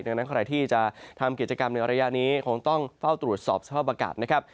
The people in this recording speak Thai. ดังนั้นใครที่จะทำกิจกรรมในระยะนี้คงต้องเฝ้าตรวจสอบสภาพอากาศนะครับ